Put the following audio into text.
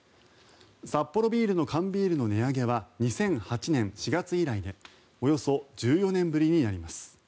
サッポロビールの缶ビールの値上げは２００８年４月以来でおよそ１４年ぶりになります。